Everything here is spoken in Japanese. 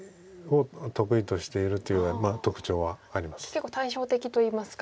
結構対照的といいますか。